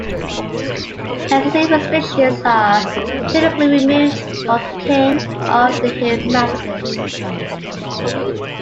Magazine restrictions are typically removed for King of the Hill matches.